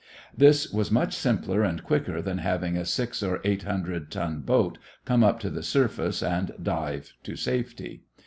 This was much simpler and quicker than having a six or eight hundred ton boat come up to the surface and dive to safety.